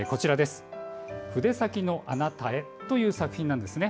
「筆先のあなたへ」という作品なんですね。